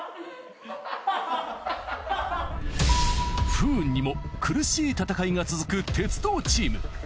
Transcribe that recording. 不運にも苦しい戦いが続く鉄道チーム。